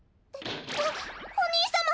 あっおにいさま！